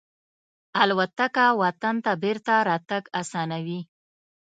الوتکه وطن ته بېرته راتګ آسانوي.